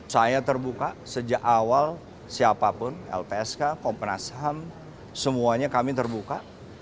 saya terbuka sejak awal siapapun lpsk kompas ham semuanya kami terbuka